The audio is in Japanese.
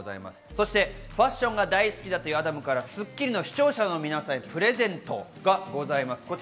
そしてファッションが大好きだというアダムから『スッキリ』の視聴者の皆さんにプレゼントがございます。